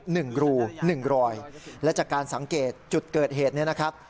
หนึ่งรูหนึ่งรอยและจากการสังเกตจุดเกิดเหตุเนี่ยนะครับ